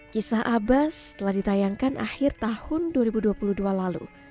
kisah abbas telah ditayangkan akhir tahun dua ribu dua puluh dua lalu